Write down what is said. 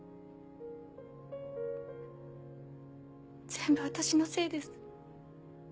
全部私のせいです。